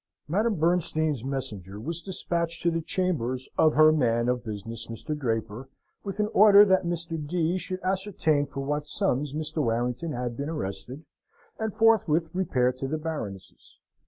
Madame Bernstein's messenger was despatched to the chambers of her man of business, Mr. Draper, with an order that Mr. D. should ascertain for what sums Mr. Warrington had been arrested, and forthwith repair to the Baroness.